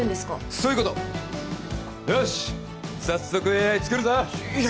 そういうことよし早速ＡＩ作るぞいや